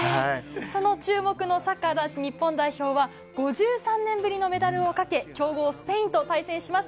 その注目の男子日本代表は５３年ぶりのメダルをかけ、強豪・スペインと対戦します。